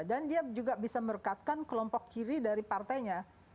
dan dia juga bisa merekatkan kelompok kiri dari partainya